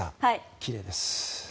奇麗です。